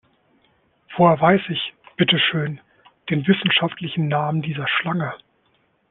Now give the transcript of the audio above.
Woher weiß ich bitteschön den wissenschaftlichen Namen dieser Schlange?